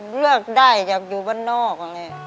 เลือกได้อยากอยู่บ้านนอก